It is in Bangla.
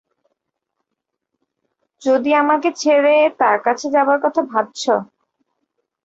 যদি আমাকে ছেড়ে, তার কাছে চলে যাবার কথা ভাবছো?